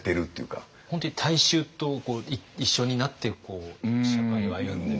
本当に大衆と一緒になって社会を歩んで。